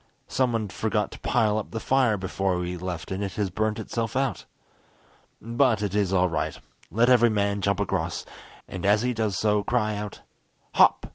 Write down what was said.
Someone forgot to pile up the fire before we left and it has burnt itself out! But it is all right. Let every man jump across, and as he does so cry out 'Hop!